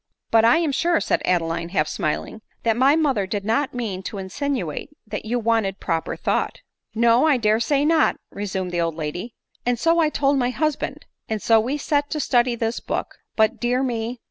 " But I am* sure," said Adeline, half smiling, " that my mother did not mean to insinuate that you wanted proper thought." " No, I dare say not," resumed the old lady, " and ADELINE MOWBRAY. 15 i \ so I told my husband, and so we set to study this book * j but, dear me!